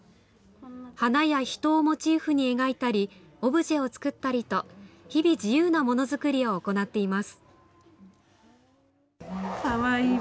花や人をモチーフに描いたり、オブジェを作ったりと、日々、自由なものづくりを行っています。